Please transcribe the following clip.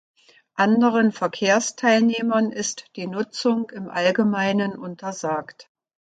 Anderen Verkehrsteilnehmern ist die Nutzung im Allgemeinen untersagt.